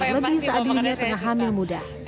lebih saat dia pernah hamil muda